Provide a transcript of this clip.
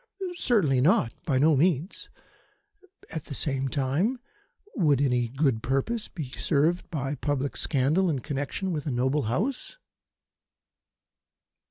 "Certainly not. By no means. At the same time, would any good purpose be served by public scandal in connection with a noble House?"